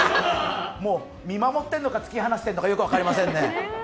見守っているのか突き放しているのかよく分かりませんね。